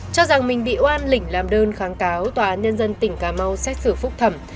cho rằng mình bị oan lỉnh làm đơn kháng cáo tòa án nhân dân tỉnh cà mau xét xử phúc thẩm